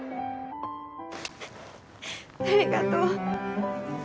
ありがとう。